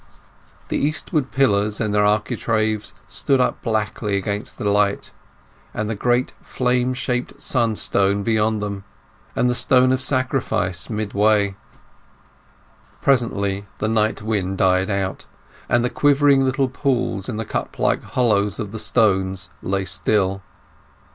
The eastward pillars and their architraves stood up blackly against the light, and the great flame shaped Sun stone beyond them; and the Stone of Sacrifice midway. Presently the night wind died out, and the quivering little pools in the cup like hollows of the stones lay still.